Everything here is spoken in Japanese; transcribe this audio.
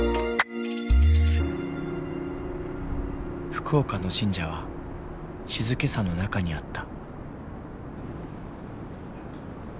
福岡の神社は静けさの中にあった。